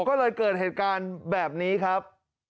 ก็เลยเกิดเหตุการณ์แบบนี้ครับ